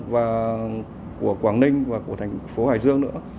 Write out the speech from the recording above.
và của quảng ninh và của thành phố hải dương nữa